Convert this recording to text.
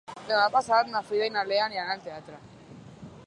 Demà passat na Frida i na Lea aniran al teatre.